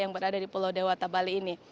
yang berada di pulau dewata bali ini